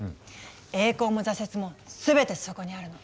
栄光も挫折も全てそこにあるの。